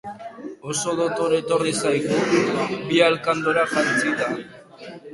Oso dotore etorri zaigu, bi alkandora jantzita.